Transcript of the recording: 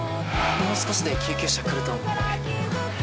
もう少しで救急車来ると思うので。